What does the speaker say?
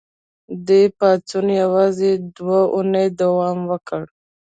دې پاڅون یوازې دوه اونۍ دوام وکړ.